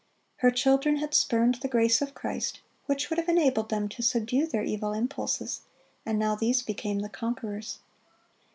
Her children had spurned the grace of Christ, which would have enabled them to subdue their evil impulses, and now these became the conquerors.